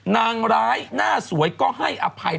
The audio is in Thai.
นางร้ายหน้าสวยก็ให้อภัย